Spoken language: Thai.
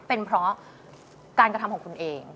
เป็นเพราะการกระทำของคุณเอง